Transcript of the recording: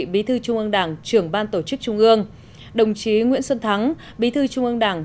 bí thư trung ương đảng trưởng ban tổ chức trung ương đồng chí nguyễn xuân thắng bí thư trung ương đảng